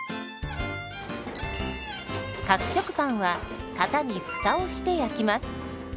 角食パンは型に「フタ」をして焼きます。